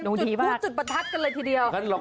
โอ้โหเตรียมพูดจุดประทัดกันเลยทีเดียว